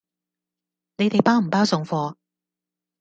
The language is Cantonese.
你哋包唔包送貨？